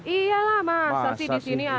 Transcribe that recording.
iya lah masa sih di sini ada